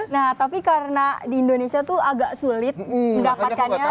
nah tapi karena di indonesia tuh agak sulit mendapatkannya